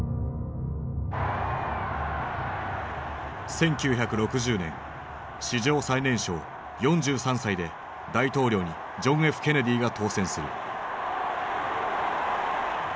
１９６０年史上最年少４３歳で大統領にジョン・Ｆ・ケネディが当選する。